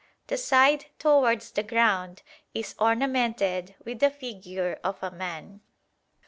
The side towards the ground is ornamented with the figure of a man.